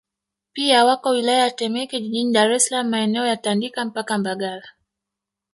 Pia wako wilaya ya Temeke jijini Dar es Salaam maeneo ya Tandika mpaka Mbagala